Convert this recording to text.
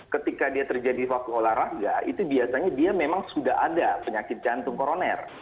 ketika dia terjadi waktu olahraga itu biasanya dia memang sudah ada penyakit jantung koroner